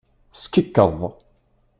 Skikeḍ.